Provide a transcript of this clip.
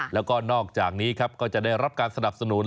แล้วก็นอกจากนี้ครับก็จะได้รับการสนับสนุน